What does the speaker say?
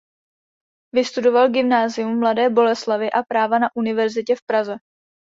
Vystudoval gymnázium v Mladé Boleslavi a práva na univerzitě v Praze.